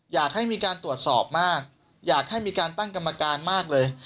อยากให้มีการตรวจสอบมากอยากให้มีการตั้งกรรมการมากเลย